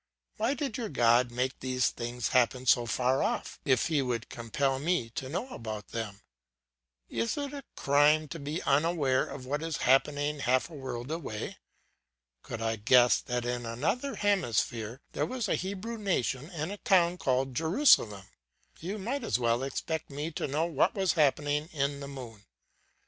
Why did your God make these things happen so far off, if he would compel me to know about them? Is it a crime to be unaware of what is happening half a world away? Could I guess that in another hemisphere there was a Hebrew nation and a town called Jerusalem? You might as well expect me to know what was happening in the moon.